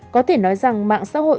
có thể nói rằng mạng xã hội